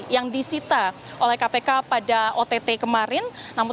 yang disita oleh kpk pada ott kemarin